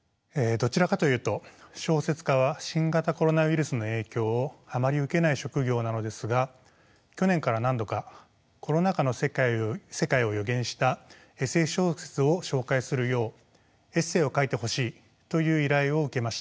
どちらかというと小説家は新型コロナウイルスの影響をあまり受けない職業なのですが去年から何度かコロナ禍の世界を予言したＳＦ小説を紹介するようエッセーを書いてほしいという依頼を受けました。